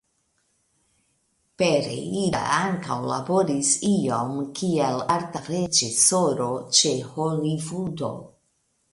Pereira ankaŭ laboris iom kiel arta reĝisoro ĉe Holivudo.